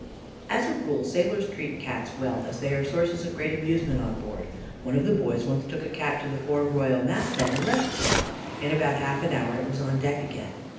"As a rule, sailors treat Cats well, as they are sources of great amusement on board. One of the boys once took a Cat to the fore royal mast head, and left it there. In about half an hour it was on deck again.